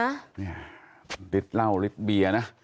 เนี่ยฤทธิเหล้าฤทธิเบียร์นะ